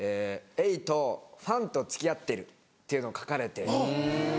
「瑛人、ファンと付き合ってる」っていうのを書かれて。